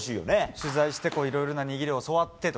取材していろいろな握りを教わってと。